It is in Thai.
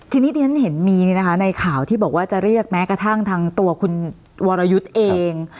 ทีนี้ที่ฉันเห็นมีในข่าวที่บอกว่าจะเรียกแม้กระทั่งทางตัวคุณวรยุทธ์เอง